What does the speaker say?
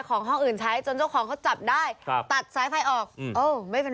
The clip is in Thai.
ห้องอื่นใช้จนเจ้าของเขาจับได้ครับตัดสายไฟออกเออไม่เป็นไร